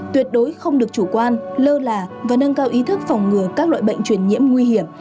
tuyệt đối không được chủ quan lơ là và nâng cao ý thức phòng ngừa các loại bệnh truyền nhiễm nguy hiểm